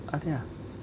à thế à